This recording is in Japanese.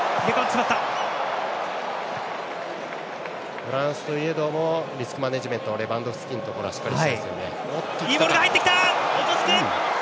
フランスといえどもリスクマネージメントをレバンドフスキのところはしっかりしたいです。